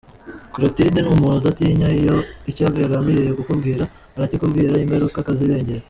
Clotilde ni umuntu udatinya, icyo yagambiriye kukubwira arakikubwira, ingaruka akazirengera.